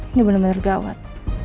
ini bener bener gawat